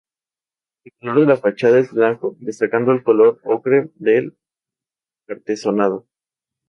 El color de la fachada es blanco destacando el color ocre del artesonado.